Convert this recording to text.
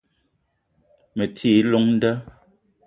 Me ti i llong nda